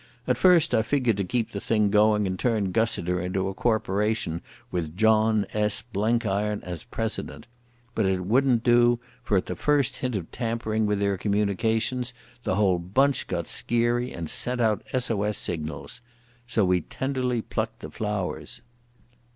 At first I figured to keep the thing going and turn Gussiter into a corporation with John S. Blenkiron as president. But it wouldn't do, for at the first hint of tampering with their communications the whole bunch got skeery and sent out SOS signals. So we tenderly plucked the flowers."